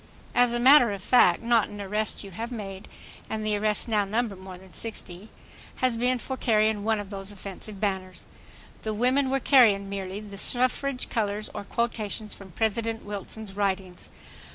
As a matter of fact not an arrest you have made—and the arrests now number more than sixty—has been for carrying one of those "offensive" banners. The women were carrying merely the suffrage colors or quotations from President Wilson's writings.